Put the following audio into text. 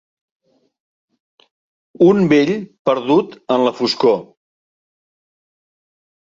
Un vell perdut en la foscor.